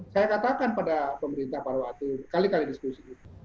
saya katakan pada pemerintah pada waktu kali kali diskusi